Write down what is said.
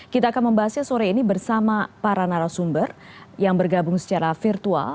kita akan membahasnya sore ini bersama para narasumber yang bergabung secara virtual